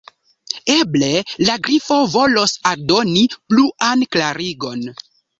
Eble la Grifo volos aldoni pluan klarigon.